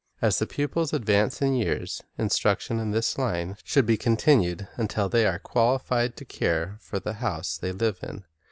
As the pupils advance in years, instruction in this line should be continued, until they are qualified to care for the house they live in.